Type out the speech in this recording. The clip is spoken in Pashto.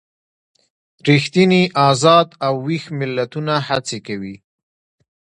ریښتیني ازاد او ویښ ملتونه هڅې کوي.